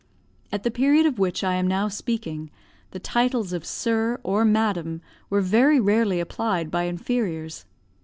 At the period of which I am now speaking, the titles of "sir" or "madam" were very rarely applied by inferiors.